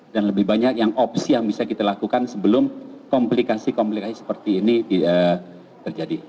dan lebih banyak yang opsi yang bisa kita lakukan sebelum komplikasi komplikasi seperti ini terjadi